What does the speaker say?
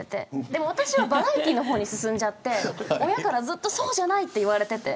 でも、私はバラエティーの方に進んじゃって親から、ずっとそうじゃないと言われていて。